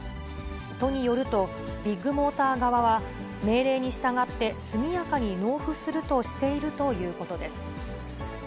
都によると、ビッグモーター側は、命令に従って速やかに納付するとしているということです。